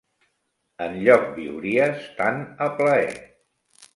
Enlloc viuries tan a plaer.